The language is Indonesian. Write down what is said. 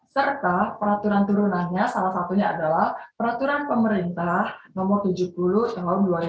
serta peraturan turunannya salah satunya adalah peraturan pemerintah nomor tujuh puluh tahun dua ribu dua puluh